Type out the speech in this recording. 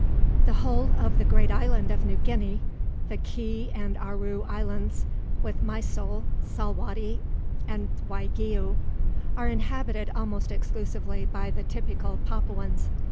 The whole of the great island of New Guinea, the Ke and Aru Islands, with Mysol, Salwatty, and Waigiou, are inhabited almost exclusively by the typical Papuans.